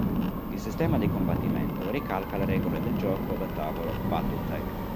Il sistema di combattimento ricalca le regole del gioco da tavolo BattleTech.